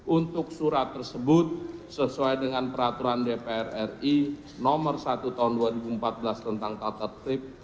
untuk surat tersebut sesuai dengan peraturan dpr ri nomor satu tahun dua ribu empat belas tentang tata tertib